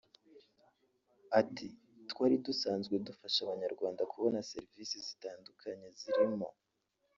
Ati “Twari dusanzwe dufasha abanyarwanda kubona serivise zitandukanye zirimo